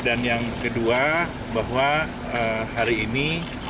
dan yang kedua bahwa hari ini